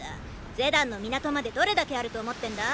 ゼダンの港までどれだけあると思ってんだ。